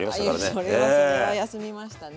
あいやそれはそれは休みましたね。